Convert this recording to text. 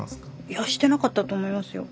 いやしてなかったと思いますよ。